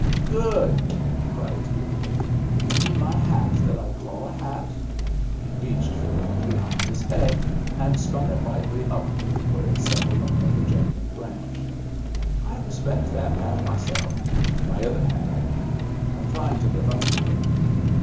"Good!" he cried gayly. "You mean my hat that I call a hat." He reached for the one behind his head, and spun it lightly upward, where it settled on a projecting branch. "I respect that hat myself, my other hat, I mean; I'm trying to live up to it.